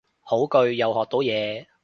好句，又學到嘢